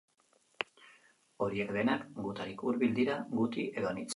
Horiek denak gutarik hurbil dira, guti edo anitz.